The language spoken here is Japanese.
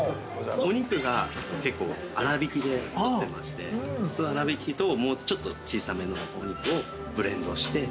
◆お肉が結構粗びきで取っていましてその粗びきと、もうちょっと小さめのお肉をブレンドして。